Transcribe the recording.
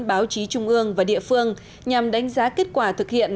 báo chí trung ương và địa phương nhằm đánh giá kết quả thực hiện